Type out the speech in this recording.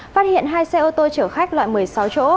phát hiện hai xe ô tô chở khách loại một mươi sáu chỗ